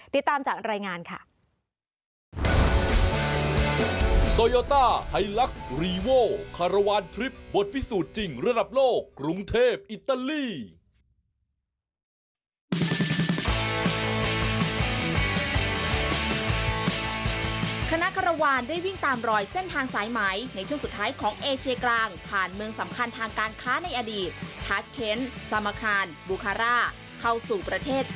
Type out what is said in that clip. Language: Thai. ติดตามจากรายงานค่ะ